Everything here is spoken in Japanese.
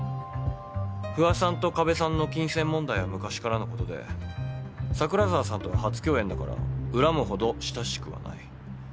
不破さんと加部さんの金銭問題は昔からのことで桜沢さんとは初共演だから恨むほど親しくはない。